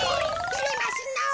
てれますのぉ。